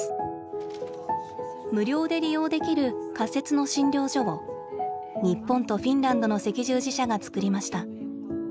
無料で利用できる仮設の診療所を日本とフィンランドの赤十字社が作りました。